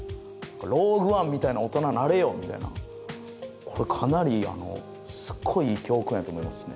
「ローグ・ワン」みたいな大人なれよみたいなこれかなりあのすっごいいい教訓やと思いますね